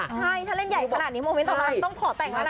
ใช่ถ้าเล่นใหญ่ขนาดนี้โมเมนต์ตอนนั้นต้องขอแต่งแล้วนะ